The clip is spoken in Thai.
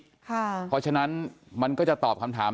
เพราะฉะนั้นมันก็จะตอบคำถาม